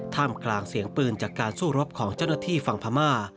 ท่ามกลางเสียงปืนจากการสู้รบของเจ้าหน้าที่ฝั่งพม่า